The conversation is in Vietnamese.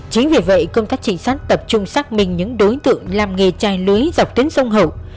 chính vì vậy công tác trình sát tập trung xác minh những đối tượng làm nghề chai lưới dọc tuyến sông hậu